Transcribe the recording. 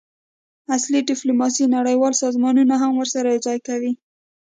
عصري ډیپلوماسي نړیوال سازمانونه هم ورسره یوځای کوي